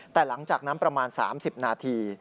แต่หลังจากนั้นประมาณ๓๐นาที